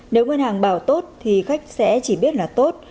nếu ngân hàng bảo tốt thì khách sẽ chỉ biết là tốt